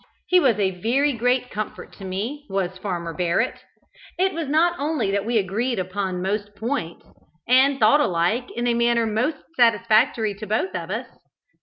He was a very great comfort to me, was Farmer Barrett. It was not only that we agreed upon most points, and thought alike in a manner most satisfactory to both of us.